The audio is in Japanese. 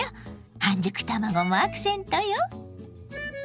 半熟卵もアクセントよ。